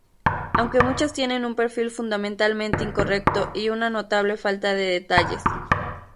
Aunque muchas tienen un perfil fundamentalmente incorrecto y una notable falta de detalles.